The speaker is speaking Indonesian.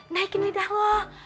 naikin lidah lo